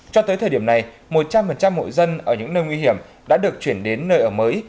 cho tới thời điểm này một trăm linh hội dân ở những nơi nguy hiểm đã được chuyển đến nơi ở mới